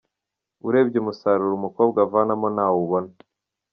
urebye umusaruro umukobwa avanamo ntawo ubona.